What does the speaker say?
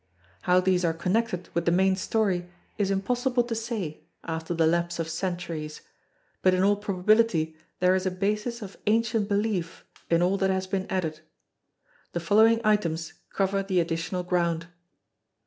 How these are connected with the main story is impossible to say after the lapse of centuries; but in all probability there is a basis of ancient belief in all that has been added. The following items cover the additional ground.